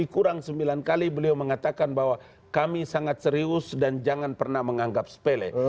kurang sembilan kali beliau mengatakan bahwa kami sangat serius dan jangan pernah menganggap sepele